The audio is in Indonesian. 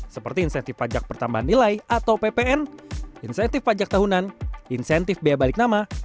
seperti insentif pajak pertambahan nilai atau ppn insentif pajak tahunan insentif biaya balik nama